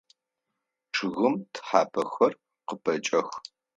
Чъыгым тхьапэхэр къыпэкӏэх.